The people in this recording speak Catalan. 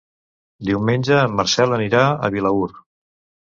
Diumenge en Marcel anirà a Vilaür.